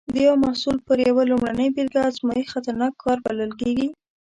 د یو محصول پر یوه لومړنۍ بېلګه ازمېښت خطرناک کار بلل کېږي.